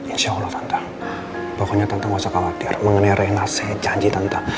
insyaallah tante pokoknya tante gak usah khawatir mengenai rina saya janji tante